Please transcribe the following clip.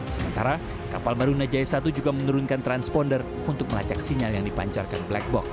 sementara kapal marunda jaya satu juga menurunkan transponder untuk melacak sinyal yang dipancarkan black box